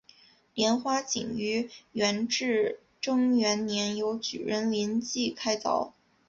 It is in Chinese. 莲花井于元至正元年由举人林济开凿。